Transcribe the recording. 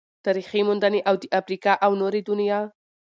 تاريخي موندنې او د افريقا او نورې دنيا